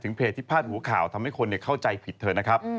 เพจที่พาดหัวข่าวทำให้คนเข้าใจผิดเถอะนะครับ